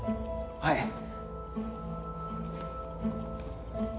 はい。